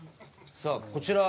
さあこちら。